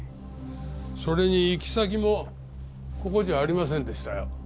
それに行き先もここじゃありませんでしたよ。